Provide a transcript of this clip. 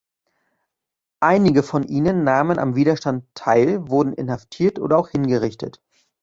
Einige von ihnen nahmen am Widerstand teil, wurden inhaftiert oder auch hingerichtet.